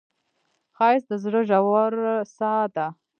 ښایست د زړه ژور ساه ده